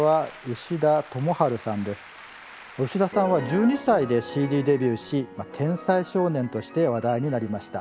牛田さんは１２歳でＣＤデビューし天才少年として話題になりました。